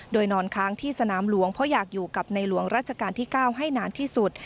โดยนอนค้างที่สนามหลวงเพราะอยากอยู่กับในหลวงราชการที่๙ให้นานที่สุด